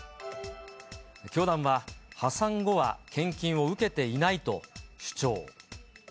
教団は、破産後は献金を受けていないと主張。